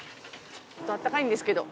あったかいんですけど。